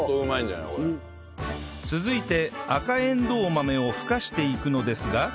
続いて赤えんどう豆をふかしていくのですが